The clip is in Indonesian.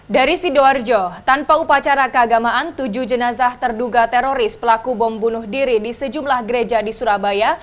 dari sidoarjo tanpa upacara keagamaan tujuh jenazah terduga teroris pelaku bom bunuh diri di sejumlah gereja di surabaya